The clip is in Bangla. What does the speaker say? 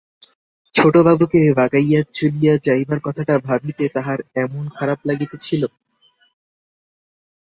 ছোটবাবুকে রাগাইয়া চলিয়া যাইবার কথাটা ভাবিতে তাহার এমন খারাপ লাগিতেছিল!